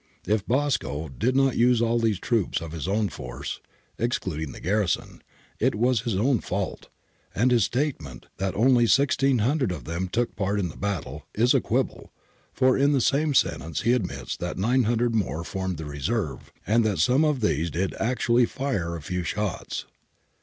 If Bosco did not use all these troops of his own force (exclud ing the garrison) it was his own fault, and his statement {Palmieri, 45) that only 1600 of them took part in the battle is a quibble, for in the same sentence he admits that 900 more formed the reserve and that some of these did actually ' fire a few shots.'